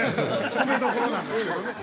◆米どころなんですけどね。